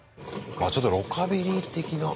あちょっとロカビリー的な。